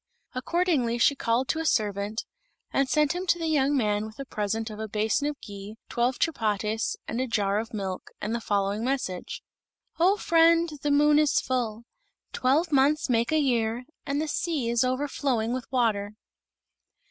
Accordingly she called a servant and sent him to the young man with a present of a basin of ghee, twelve chapatis, and a jar of milk, and the following message: "O friend, the moon is full; twelve months make a year, and the sea is overflowing with water."